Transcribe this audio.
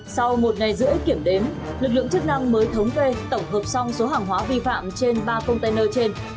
sau một ngày rưỡi kiểm đếm lực lượng chức năng mới thống kê tổng hợp xong số hàng hóa vi phạm trên ba container trên